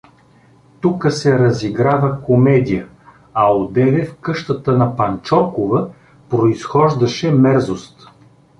— Тука се разиграва комедия, а одеве в къщата на Панчоркова произхождаше мерзост.